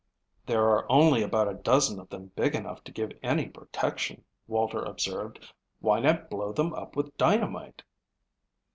"There are only about a dozen of them big enough to give any protection," Walter observed. "Why not blow them up with dynamite?"